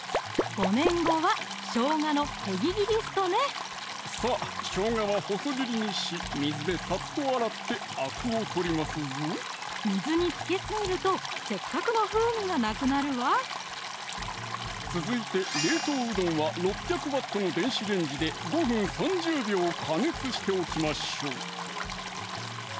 ５年後はしょうがのへぎ切りストねさぁしょうがは細切りにし水でサッと洗ってあくを取りますぞ水につけすぎるとせっかくの風味がなくなるわ続いて冷凍うどんは６００Ｗの電子レンジで５分３０秒加熱しておきましょう